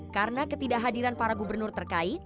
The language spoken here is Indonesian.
karena ketidakhadiran para gubernur terkait